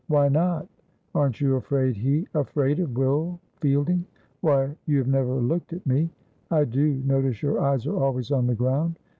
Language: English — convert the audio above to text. "Why not?" "Aren't you afraid he " "Afraid of Will Fielding? Why, you have never looked at me. I do notice your eyes are always on the ground.